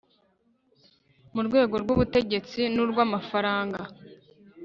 mu rwego rw ubutegetsi n urw amafaranga